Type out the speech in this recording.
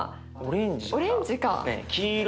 オレンジかな。